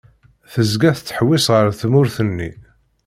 Tezga tettḥewwis ar tmurt-nni.